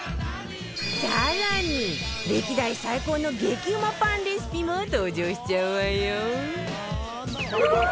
更に歴代最高の激うまパンレシピも登場しちゃうわよ